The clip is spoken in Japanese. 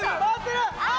あ！